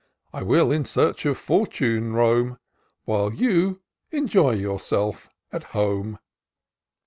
I will in search of fortune roam. While you enjoy yourself at home."